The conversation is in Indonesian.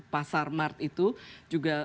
pasar mart itu juga